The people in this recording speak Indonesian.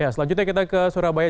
selanjutnya kita ke surabaya